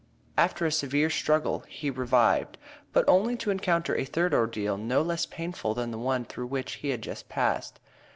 After a severe struggle he revived, but only to encounter a third ordeal no less painful than the one through which he had just passed.